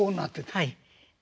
はい。